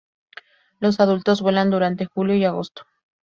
Los adultos vuelan durante julio y agosto.